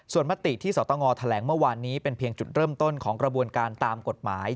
ส่วนมติที่สตงแถลงเมื่อวานนี้เป็นเพียงจุดเริ่มต้นของกระบวนการตามกฎหมาย